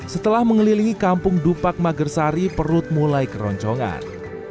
setelah mengelilingi kampung dupak magersari perut mulai keroncongan